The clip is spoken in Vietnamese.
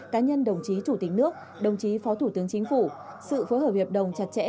cá nhân đồng chí chủ tịch nước đồng chí phó thủ tướng chính phủ sự phối hợp hiệp đồng chặt chẽ